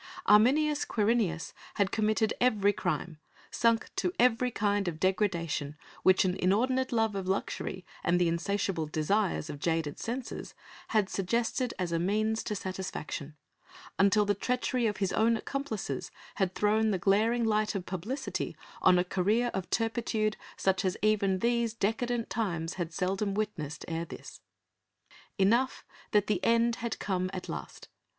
Arminius Quirinius had committed every crime, sunk to every kind of degradation which an inordinate love of luxury and the insatiable desires of jaded senses had suggested as a means to satisfaction, until the treachery of his own accomplices had thrown the glaring light of publicity on a career of turpitude such as even these decadent times had seldom witnessed ere this. Enough that the end had come at last.